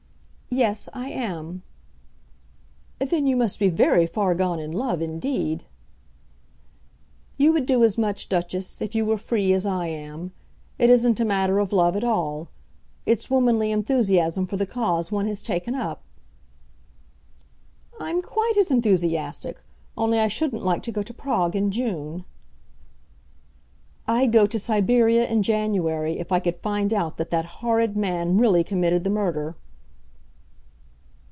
"Yes, I am." "Then you must be very far gone in love, indeed." "You would do as much, Duchess, if you were free as I am. It isn't a matter of love at all. It's womanly enthusiasm for the cause one has taken up." "I'm quite as enthusiastic, only I shouldn't like to go to Prague in June." "I'd go to Siberia in January if I could find out that that horrid man really committed the murder."